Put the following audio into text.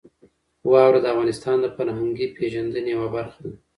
واوره د افغانانو د فرهنګي پیژندنې یوه برخه ده.